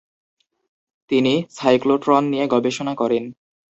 তিনি সাইক্লোট্রন নিয়ে গবেষণা করেন।